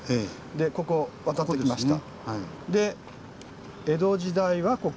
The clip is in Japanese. ここ渡ってきました。